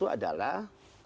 satu adalah satu